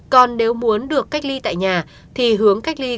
còn nếu muốn được cách ly tại nhà thì hướng cách ly